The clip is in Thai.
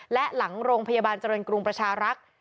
และหลังโรงพยาบาลเจริญกรุงประชารักษ์